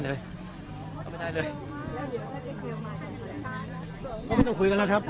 จะกระบาดให้ดี